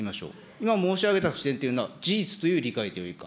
今、申し上げたというのは事実という理解でいいのか。